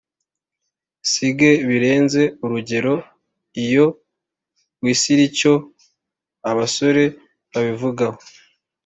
sige birenze urugero Iyo wisiIcyo abasore babivugaho